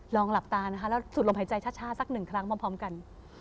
หลับตานะคะแล้วสุดลมหายใจช้าสักหนึ่งครั้งพร้อมกัน